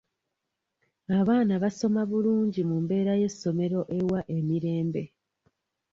Abaana basoma bulungi mu mbeera y'essomero ewa emirembe.